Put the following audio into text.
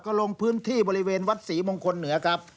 ก็ลงพื้นที่บริเวณวัดศรีมงคลเหนือครับ